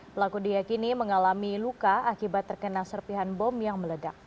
pelaku diakini mengalami luka akibat terkena serpihan bom yang meledak